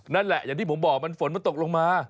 นั่นแหละอย่างที่ผมบอกมันฝนมันตกลงมา